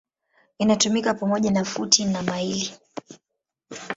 Inatumika pamoja na futi na maili.